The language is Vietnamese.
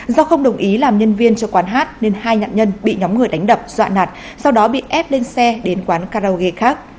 do không đồng ý làm nhân viên cho quán hát nên hai nạn nhân bị nhóm người đánh đập dọa nạt sau đó bị ép lên xe đến quán karaoke khác